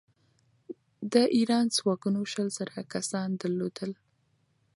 د ایران ځواکونو شل زره کسان درلودل.